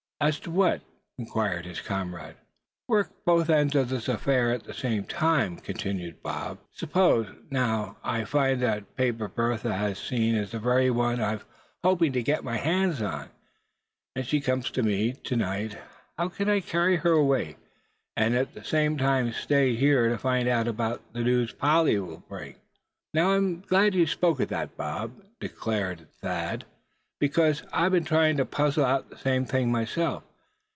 "As what?" inquired his comrade. "Work both ends of the affair at the same time," continued Bob. "Suppose, now, I find that the paper Bertha has seen is the very one I've been hoping to get my hands on; and she comes to me to night; how can I carry her away, and at the same time stay here to find out about the news Polly will bring me?" "Now, I'm glad you spoke of that, Bob," Thad declared; "because I've been trying to puzzle out that same thing myself.